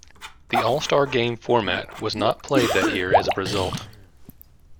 The all-star game format was not played that year as a result.